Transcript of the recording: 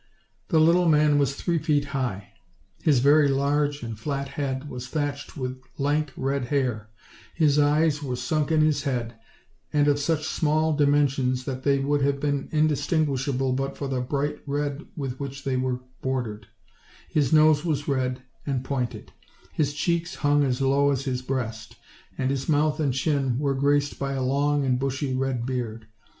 The little man was three feet high; his very large and flat head was thatched with lank red hair; his eyes were sunk in his head, and of such small dimensions that they would have been indistinguishable but for the bright red with which they were bordered; his nose was red and pointed; his cheeks hung as low as his breast, and his mouth and chin were graced by a long and bushy red beard.